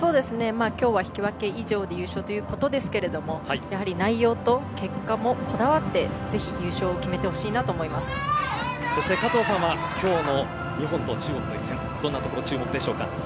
今日は引き分け以上で優勝ということですがやはり内容と結果もこだわってぜひ優勝を決めてほしいなとそして、加藤さんは今日の日本と中国の一戦どんなところ注目でしょうか。